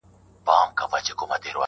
له ګرېوانه یې شلېدلي دُردانې وې.!